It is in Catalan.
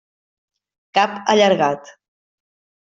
Cap allargat.